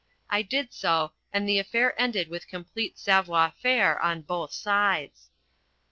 I did so, and the affair ended with complete savoir faire on both sides.